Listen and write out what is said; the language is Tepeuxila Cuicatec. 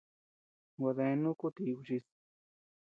Gua deanu ku ti kuchis.